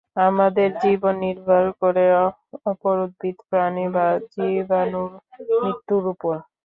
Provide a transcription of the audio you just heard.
আমাদের জীবন নির্ভর করে অপর উদ্ভিদ প্রাণী বা জীবাণুর মৃত্যুর উপর।